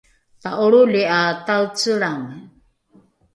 ta’olroli ’a taecelrange